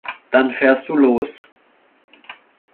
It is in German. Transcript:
Dann fährst du los